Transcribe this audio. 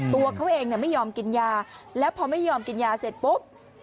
ตัวเขาเองไม่ยอมกินยาแล้วพอไม่ยอมกินยาเสร็จปุ๊บ